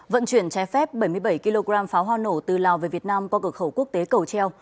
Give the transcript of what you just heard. vận chuyển trái phép bảy mươi bảy kg pháo hoa nổ từ lào về việt nam qua cửa khẩu quốc tế cầu treo